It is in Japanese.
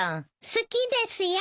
好きですよ。